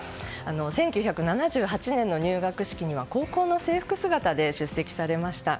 １９７８年の入学式には高校の制服姿で出席されました。